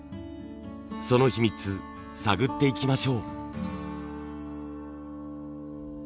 その秘密探っていきましょう！